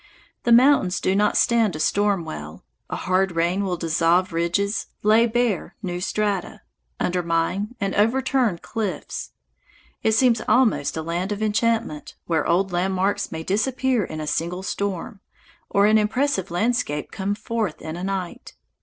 The mountains do not stand a storm well. A hard rain will dissolve ridges, lay bare new strata, undermine and overturn cliffs. It seems almost a land of enchantment, where old landmarks may disappear in a single storm, or an impressive landscape come forth in a night.